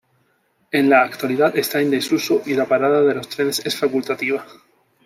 En la actualidad está en desuso y la parada de los trenes es facultativa.